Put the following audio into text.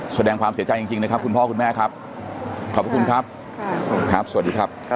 แสดงความเสียใจจริงนะครับคุณพ่อคุณแม่ครับขอบคุณครับครับสวัสดีครับ